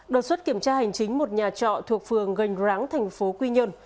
đột xuất kiểm tra hành chính một nhà trọ thuộc phường gành ráng thành phố quy nhơn